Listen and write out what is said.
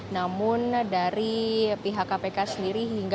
namun dari pihak kpk sendiri hingga